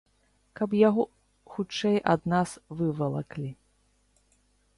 Каб яго хутчэй ад нас вывалаклі.